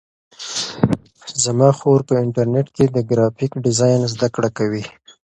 زما خور په انټرنیټ کې د گرافیک ډیزاین زده کړه کوي.